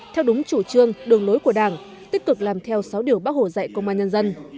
theo đúng chủ trương đường lối của đảng tích cực làm theo sáu điều bác hồ dạy công an nhân dân